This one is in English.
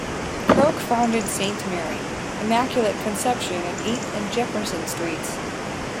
Croke founded Saint Mary, Immaculate Conception at Eighth and Jefferson Streets.